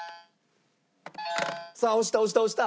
さあ押した押した押した！